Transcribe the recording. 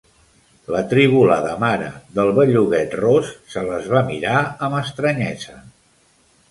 L'atribolada mare del belluguet ros se les va mirar amb estranyesa.